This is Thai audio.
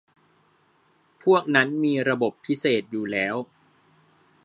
พวกนั้นมีระบบพิเศษอยู่แล้ว